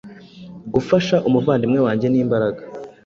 Gufasha umuvandimwe wanjye nimbaraga